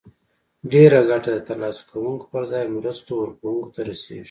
ډیره ګټه د تر لاسه کوونکو پر ځای مرستو ورکوونکو ته رسیږي.